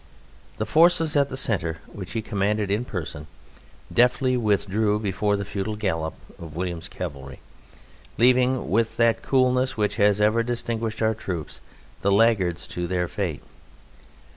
The forces at the centre, which he commanded in person, deftly withdrew before the futile gallop of William's cavalry, leaving, with that coolness which has ever distinguished our troops, the laggards to their fate.